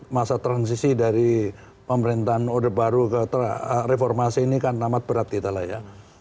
masa transisi dari pemerintahan orde baru ke reformasi ini kan amat berat kita lah ya